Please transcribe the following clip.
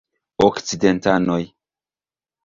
Okcidentanoj.